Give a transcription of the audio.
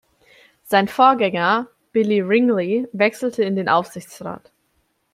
Sein Vorgänger Bill Wrigley wechselte in den Aufsichtsrat.